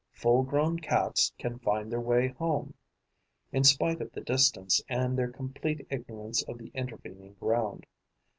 Full grown Cats can find their way home, in spite of the distance and their complete ignorance of the intervening ground.